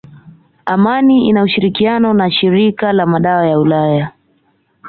Amani ina ushirikiano na shirika la madawa la ulaya